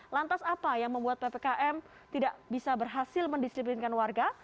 lantas apa yang membuat ppkm tidak bisa berhasil mendisiplinkan warga